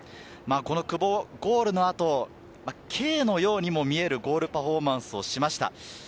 久保、ゴールの後、「Ｋ」のようにも見えるゴールパフォーマンスを見せました。